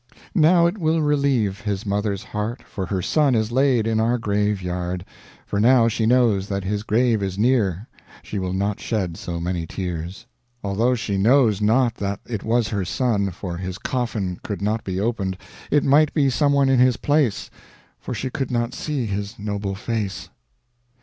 Now it will relieve his mother's heart, For her son is laid in our graveyard; For now she knows that his grave is near, She will not shed so many tears. Although she knows not that it was her son, For his coffin could not be opened It might be someone in his place, For she could not see his noble face.